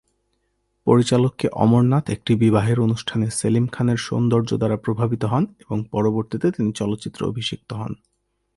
পরিচালক কে অমরনাথ একটি বিবাহের অনুষ্ঠানে সেলিম খানের সৌন্দর্য দ্বারা প্রভাবিত হন এবং পরবর্তীতে তিনি চলচ্চিত্রে অভিষিক্ত হন।